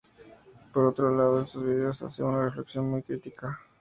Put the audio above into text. Por otro lado en sus videos hace una reflexión muy crítica.